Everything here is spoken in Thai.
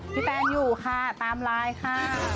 แฟนอยู่ค่ะตามไลน์ค่ะ